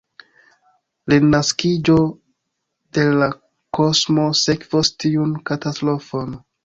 Renaskiĝo de la kosmo sekvos tiun katastrofon.